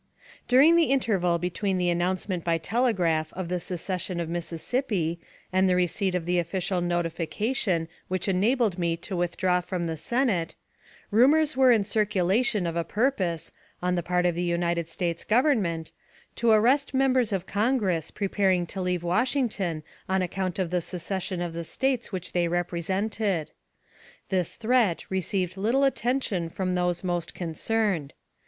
During the interval between the announcement by telegraph of the secession of Mississippi and the receipt of the official notification which enabled me to withdraw from the Senate, rumors were in circulation of a purpose, on the part of the United States Government, to arrest members of Congress preparing to leave Washington on account of the secession of the States which they represented. This threat received little attention from those most concerned.